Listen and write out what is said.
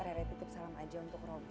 rere titip salam aja untuk robi